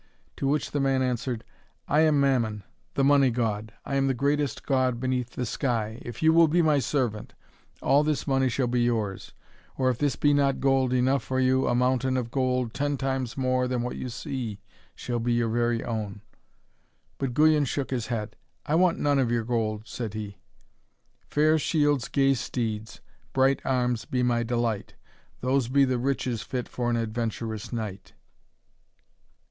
To which the man answered, 'I am Mammon, the Money God. I am the greatest god beneath the sky. If you will be my servant, all this money shall be yours. Or if this be not gold enough for you, a mountain of gold, ten times more than what you see, shall be your very own.' But Guyon shook his head. 'I want none of your gold,' said he. 'Fair shields, gay steeds, bright arms be my delight, Those be the riches fit for an adventurous knight.'